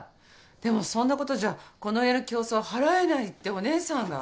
でもそんなことじゃこの家の凶相ははらえないってお義姉さんが。